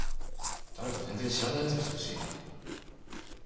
誰か全然知らないやつにしてほしいよな。